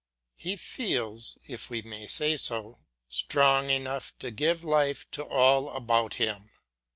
He feels, if we may say so, strong enough to give life to all about him.